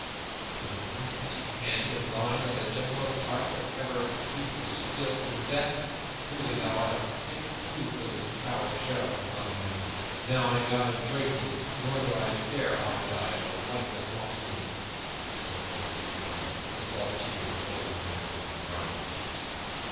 Is it by such a hand as thine that the gentlest heart that ever beat is stilled in death? Truly, thou art a fit tool for this coward Sheriff of Nottingham. Now I die joyfully, nor do I care how I die, for life is nought to me!" So spake Little John, the salt tears rolling down his brown cheeks.